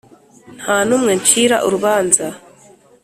Nta n umwe ncira urubanza